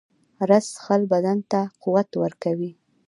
رس څښل بدن ته قوت ورکوي